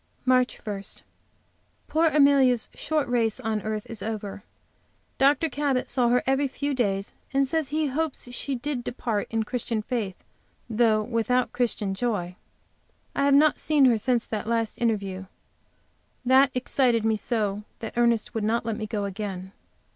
MARCH 1. Poor Amelia's short race on earth is over. Dr. Cabot saw her every few days and says he hopes she did depart in Christian faith, though without Christian joy. I have not seen her since that last interview. That excited me so that Ernest would not let me go again.